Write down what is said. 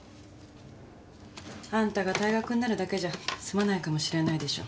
あんたが退学になるだけじゃ済まないかもしれないでしょ。